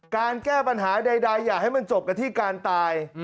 แก้ปัญหาใดอย่าให้มันจบกันที่การตาย